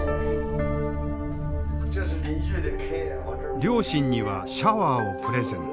両親にはシャワーをプレゼント。